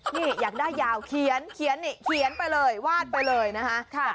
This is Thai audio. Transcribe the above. นี่อยากได้ยาวเขียนนี่เขียนไปเลยวาดไปเลยนะคะ